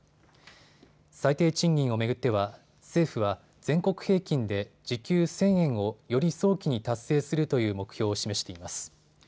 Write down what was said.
最低賃金を巡っては政府は全国平均で時給１０００円をより早期に達成するという目標を示しています。